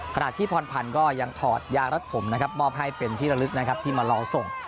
ขณะที่พรพันธ์ก็ยังถอดยารัดผมนะครับมอบให้เป็นที่ระลึกนะครับที่มารอส่ง